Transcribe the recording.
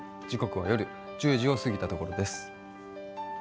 時刻は夜１０時を過ぎたところです。